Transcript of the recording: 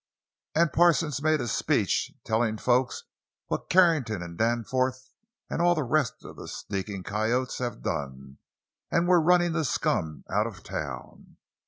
An' Parsons made a speech, tellin' folks what Carrington an' Danforth an' all the rest of the sneakin' coyotes have done, an' we're runnin' the scum out of town!"